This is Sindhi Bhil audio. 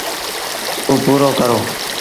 اُ پورو ڪرو۔